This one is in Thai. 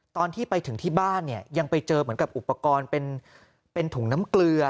ตอนที่ไปถึงที่บ้านเนี่ยยังไปเจอเหมือนกับอุปกรณ์เป็นถุงน้ำเกลือ